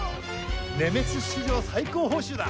ネメシス史上最高報酬だ！